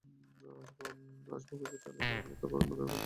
আসবাবখুশির ঠেলায় টেবিলে থাপড় মারেন, আবার রাগের ঠেলায় আছাড় মারেন চেয়ার তুলে।